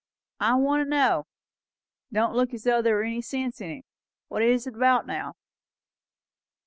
"I want to know! Don't look as though there was any sense in it. What is it about, now?"